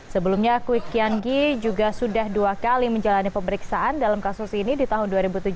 sebelumnya kwi kian gi juga sudah dua kali menjalani pemeriksaan dalam kasus ini di tahun dua ribu tujuh belas